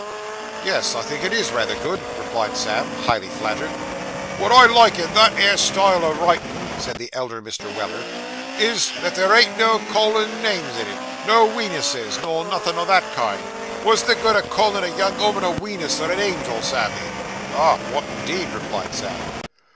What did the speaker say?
'Yes, I think it is rayther good,' observed Sam, highly flattered. 'Wot I like in that 'ere style of writin',' said the elder Mr. Weller, 'is, that there ain't no callin' names in it no Wenuses, nor nothin' o' that kind. Wot's the good o' callin' a young 'ooman a Wenus or a angel, Sammy?' 'Ah! what, indeed?' replied Sam.